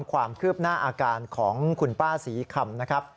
ความคืบหน้าอาการของคุณป้าศรีคำนะครับ